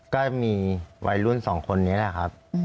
ก็มีวัยรุ่น๒คนนี้แหละครับ